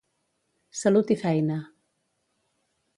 Salut i feina.